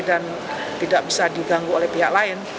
dan tidak bisa diganggu oleh pihak lain